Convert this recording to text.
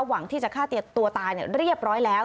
หวังที่จะฆ่าตัวตายเรียบร้อยแล้ว